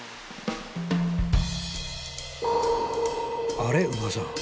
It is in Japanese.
あれ宇賀さん